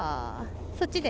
そっちで？